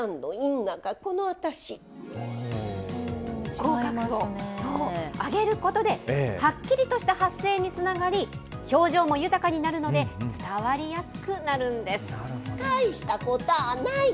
口角をそう、上げることで、はっきりとした発声につながり、表情も豊かになるので、伝わりやすくなるんです。